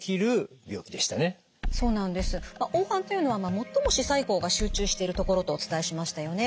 黄斑というのは最も視細胞が集中しているところとお伝えしましたよね。